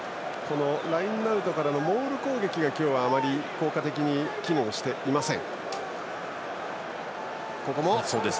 ラインアウトからのモール攻撃が今日はあまり効果的に機能していません。